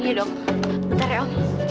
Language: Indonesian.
bentar ya om